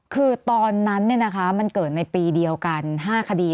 คือตอนนั้นเนี่ยนะคะมันเกิดในปีเดียวกันห้าคดี